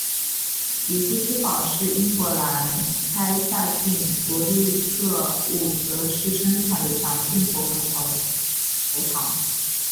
渔夫之宝是英国兰开夏郡弗利特伍德市生产的强劲薄荷喉糖。